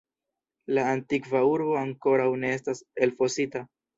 La antikva urbo ankoraŭ ne estas elfosita.